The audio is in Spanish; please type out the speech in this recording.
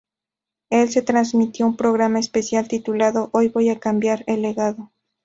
El se transmitió un programa especial titulado "Hoy voy a cambiar, el legado".